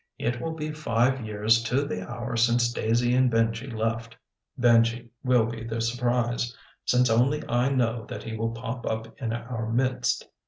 It will be five years to the hour since Daisy and Benji left. Benji will be the surprise, since only I know that he will pop up in our midst.